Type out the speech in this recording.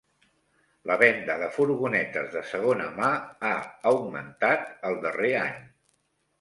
La venda de furgonetes de segona mà ha augmentat el darrer any.